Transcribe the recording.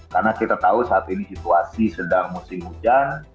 karena kita tahu saat ini situasi sedang musim hujan